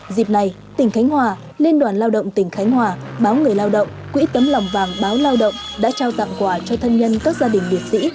dịp này tỉnh khánh hòa liên đoàn lao động tỉnh khánh hòa báo người lao động quỹ cấm lòng vàng báo lao động đã trao tạm quả cho thân nhân các gia đình biệt sĩ